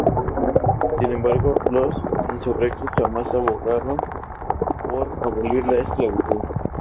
Sin embargo, los insurrectos jamás abogaron por abolir la esclavitud.